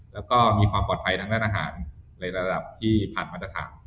แล้วก็มีความปลอดภัยทางด้านอาหารในระดับที่ผ่านมาตรฐาน